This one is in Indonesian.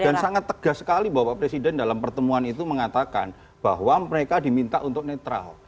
dan sangat tegas sekali bahwa pak presiden dalam pertemuan itu mengatakan bahwa mereka diminta untuk netral